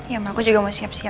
ya ma aku juga mau siap siap ya